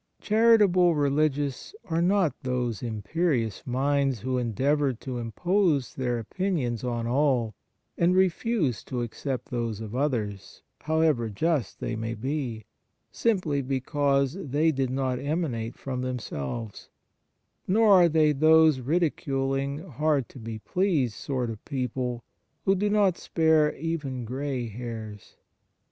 Charitable religious are not those imperious minds who endeavour to impose their opinions on all and refuse to accept those of others, however just they may be, simply because they did not emanate from themselves, nor are they those ridiculing, hard to be pleased sort of people who do not spare even grey hairs.